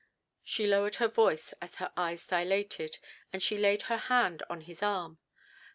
She lowered her voice as her eyes dilated, and she laid her hand on his arm.